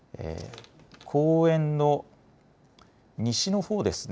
公園の西のほうですね。